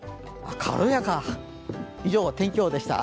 軽やか。